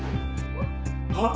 はっ？